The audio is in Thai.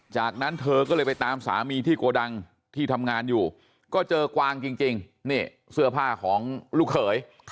จากนั้นเธอก็เลยไปตามสามีที่โกดังที่ทำงานอยู่ก็เจอกวางจริงนี่เสื้อผ้าของลูกเขย